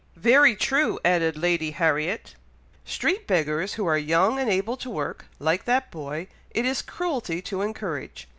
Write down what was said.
"Very true," added Lady Harriet. "Street beggars, who are young and able to work, like that boy, it is cruelty to encourage.